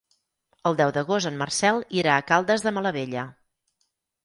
El deu d'agost en Marcel irà a Caldes de Malavella.